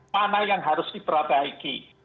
mana yang harus diperbaiki